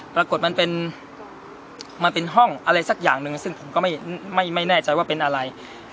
ปรากฏมันเป็นมันเป็นห้องอะไรสักอย่างหนึ่งซึ่งผมก็ไม่แน่ใจว่าเป็นอะไร